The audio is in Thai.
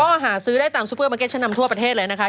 ก็หาซื้อได้ตามซูเปอร์มาร์เก็ตชั้นนำทั่วประเทศเลยนะคะ